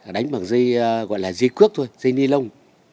đánh bằng dây gọi là dây cước thôi dây ni lông